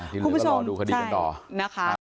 คุณผู้ชมที่นี่ก็รอดูคดีกันต่อ